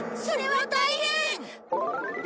それは大変！